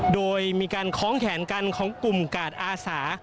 โดยมีการคล้องแขนกันของกลุ่มกาดอาสา